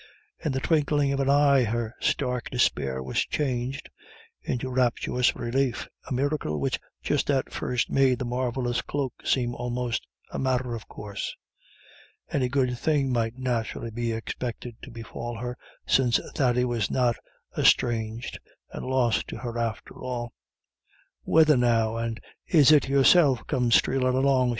In the twinkling of an eye her stark despair was changed into rapturous relief, a miracle which just at first made the marvellous cloak seem almost a matter of course. Any good thing might naturally be expected to befall her since Thady was not estranged and lost to her after all. "Whethen now, and is it yourself come streelin' along?"